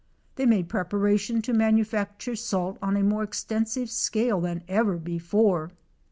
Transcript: They made preparation to manufacture salt on a more extensive scale than ever before.